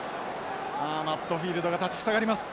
マットフィールドが立ち塞がります。